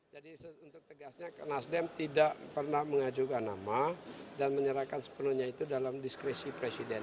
jadi untuk tegasnya nasdem tidak pernah mengajukan nama dan menyerahkan sepenuhnya itu dalam diskresi presiden